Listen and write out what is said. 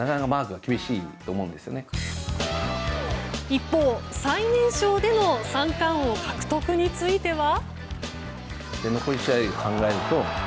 一方、最年少での三冠王獲得については。